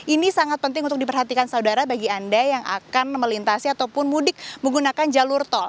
ini sangat penting untuk diperhatikan saudara bagi anda yang akan melintasi ataupun mudik menggunakan jalur tol